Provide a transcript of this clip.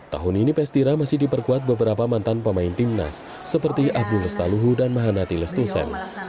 tahun ini pstira masih diperkuat beberapa mantan pemain timnas seperti agung lestaluhu dan mahanati lestusen